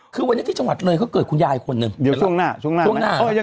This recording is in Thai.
คือวันนี้ที่จังหวัด๐เขาก็เกิดคุณยายคนนึงเดี๋ยวช่วงหน้าช่วงหน้า